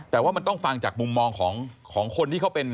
แต่ว่ามันต้องฟังจากมุมมองของคนที่เขาเป็น